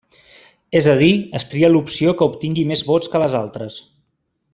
És a dir, es tria l'opció que obtingui més vots que les altres.